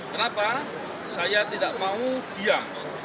kenapa saya tidak mau diam